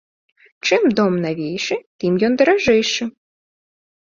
Чым дом навейшы, тым ён даражэйшы.